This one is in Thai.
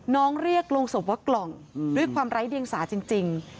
เรียกโรงศพว่ากล่องด้วยความไร้เดียงสาจริง